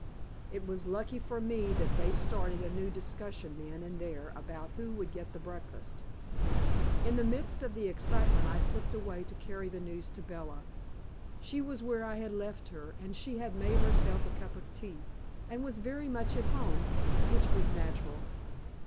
It was lucky for me that they started a new discussion then and there about who would get the breakfast. In the midst of the excitement I slipped away to carry the news to Bella. She was where I had left her, and she had made herself a cup of tea, and was very much at home, which was natural.